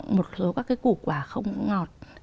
một số các cái củ quả không ngọt